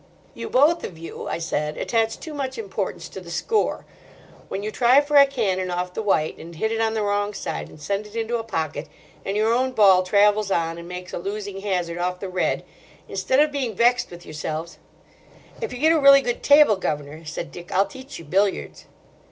"You both of you," I said, "attach too much importance to the score. When you try for a cannon off the white and hit it on the wrong side and send it into a pocket, and your own ball travels on and makes a losing hazard off the red, instead of being vexed with yourselves—" "If you get a really good table, governor," said Dick, "I'll teach you billiards."